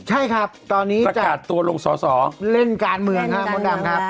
ใช่ครับตอนนี้ประกาศตัวลงสอสอเล่นการเมืองครับมดดำครับ